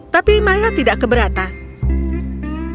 tapi maya tidak keberatan